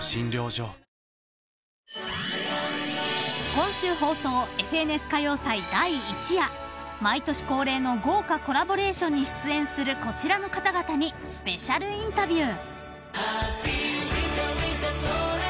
［今週放送『ＦＮＳ歌謡祭』第１夜］［毎年恒例の豪華コラボレーションに出演するこちらの方々にスペシャルインタビュー］